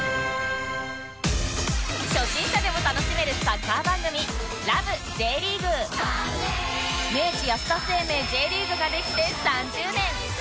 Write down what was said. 初心者でも楽しめるサッカー番組明治安田生命 Ｊ リーグができて３０年！